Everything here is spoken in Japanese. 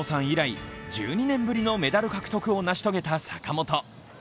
以来１２年ぶりのメダル獲得を成し遂げた坂本。